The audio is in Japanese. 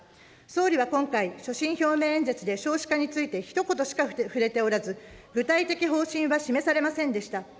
総理は今回、所信表明演説で少子化についてひと言しか触れておらず、具体的方針は示されませんでした。